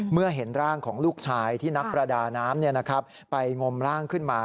เมื่อเห็นร่างของลูกชายที่นักประดาน้ำไปงมร่างขึ้นมา